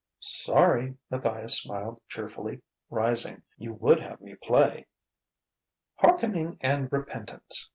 "Sorry!" Matthias smiled cheerfully, rising. "You would have me play." "Hearkening and repentance!"